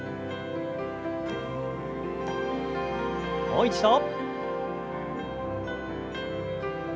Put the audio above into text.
もう一度。